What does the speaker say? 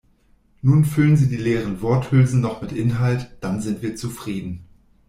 Nun füllen Sie die leeren Worthülsen noch mit Inhalt, dann sind wir zufrieden.